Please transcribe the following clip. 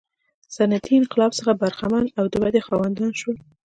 صنعتي انقلاب څخه برخمن او د ودې خاوندان شول.